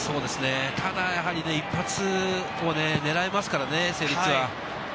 ただやはり一発狙えますからね、成立は。